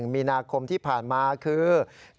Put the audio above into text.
มีนาคมที่ผ่านมาคือ